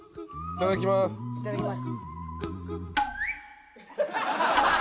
いただきます。